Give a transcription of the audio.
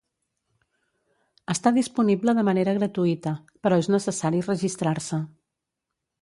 Està disponible de manera gratuïta, però és necessari registrar-se.